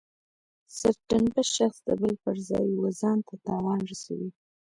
سرټنبه شخص د بل پر ځای و ځانته تاوان رسوي.